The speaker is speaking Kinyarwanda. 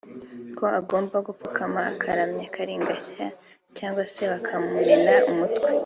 ko agomba gupfukama akaramya kalinga nshya cyangwa se bakamumena umutwe